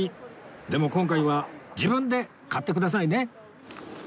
でも今回は自分で買ってくださいね